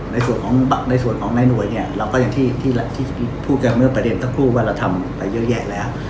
ในส่วนของแม่หน่วยเนี่ยพูดกับเมื่อประเด็นก็คือว่าเราทำไปเยอะแยะแล้ว